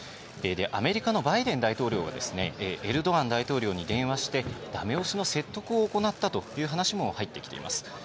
アメリカのバイデン大統領はエルドアン大統領に電話をしてだめ押しの説得を行ったという話もあります。